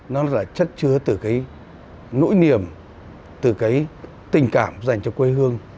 nó là chất chứa từ cái nỗi niềm từ cái tình cảm dành cho quê hương